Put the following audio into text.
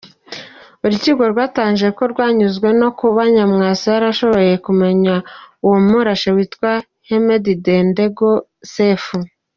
Urukiko rwatangaje ko rwanyuzwe no kuba Nyamwasa yarashobobe kumenya uwamurashe witwa Hemedi Dendego Sefu.